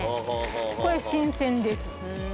これ新鮮です。